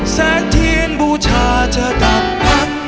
แสงเทียนบูชาจะกลับพัง